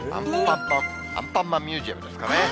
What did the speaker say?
アンパンマンミュージアムですかね。